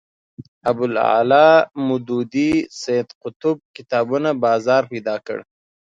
ابوالاعلی مودودي سید قطب کتابونو بازار پیدا کړ